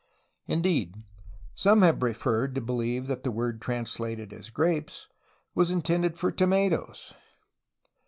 Indeed, some have preferred to be heve that the word translated as ^^grapes'' was intended for ' 'tomatoes.''